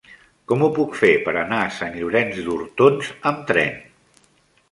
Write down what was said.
Com ho puc fer per anar a Sant Llorenç d'Hortons amb tren?